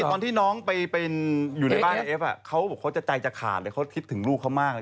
ตอนที่น้องไปอยู่ในบ้านเอฟเขาบอกเขาจะใจจะขาดเลยเขาคิดถึงลูกเขามากเลย